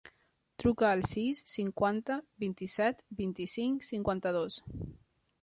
Truca al sis, cinquanta, vint-i-set, vint-i-cinc, cinquanta-dos.